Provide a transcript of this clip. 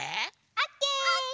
オッケー！